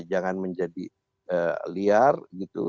jangan menjadi liar gitu